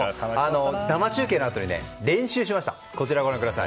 生中継のあとに練習しました。